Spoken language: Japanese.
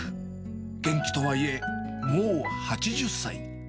元気とはいえ、もう８０歳。